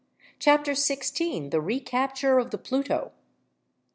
Chapter 16: The Recapture Of The Pluto.